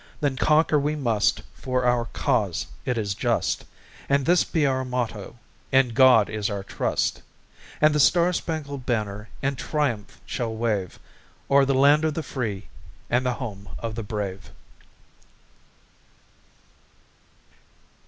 Then conquer we must, for our cause it is just. And this be our motto "In God is our trust"; And the star spangled banner in triumph shall wave O'er the land of the free, and the home of the brave.